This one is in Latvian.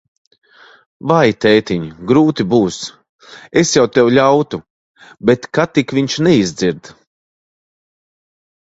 Vai, tētiņ, grūti būs. Es jau tev ļautu, bet ka tik viņš neizdzird.